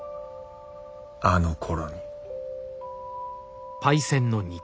あのころに。